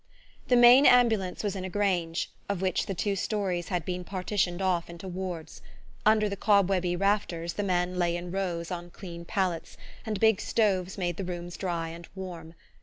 The main ambulance was in a grange, of which the two stories had been partitioned off into wards. Under the cobwebby rafters the men lay in rows on clean pallets, and big stoves made the rooms dry and warm.